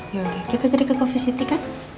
yaudah kita jadi ke covisity kan